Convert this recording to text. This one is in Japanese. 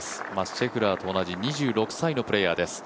シェフラーと同じ２６歳のプレーヤーです。